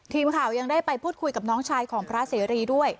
ทีมข่าวยังได้ไปพูดคุยกับน้องชายของพระเสรีด้วย